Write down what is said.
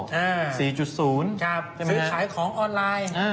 หรือขายของออนไลน์